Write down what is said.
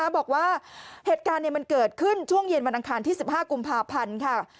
บอกว่าเหตุการณ์มันเกิดขึ้นช่วงเย็นวันอังคารที่๑๕กุมภาพันธ์ค่ะ